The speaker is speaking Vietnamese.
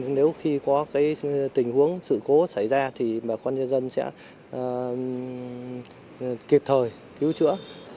nếu khi có tình huống sự cố xảy ra thì bà con nhân dân sẽ kịp thời cứu chữa